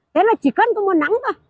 thế là chỉ cần có mà nắng thôi